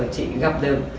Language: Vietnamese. chị gặp được